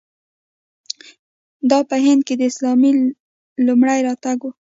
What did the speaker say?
دا په هند کې د اسلام لومړی راتګ و.